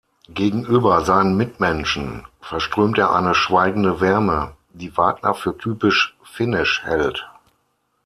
Gegenüber seinen Mitmenschen verströmt er eine „schweigende Wärme“, die Wagner für typisch finnisch hält.